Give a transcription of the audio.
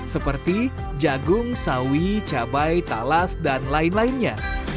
seperti jagung sawi cabai talas dan lain lainnya